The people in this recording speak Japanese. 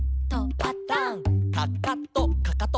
「パタン」「かかとかかと」